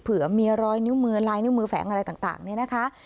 เผื่อมีรอยนิ้วมือลายนิ้วมือแฝงอะไรต่างเนี่ยนะคะ